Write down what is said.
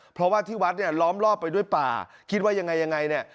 เพราะว่าที่วัดเนี่ยล้อมรอบไปด้วยป่าคิดว่ายังไงยังไงเนี่ย